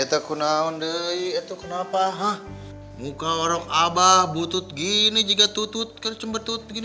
hei aku nanya kenapa muka orang abah butut begini juga tutut kecumber tutut begini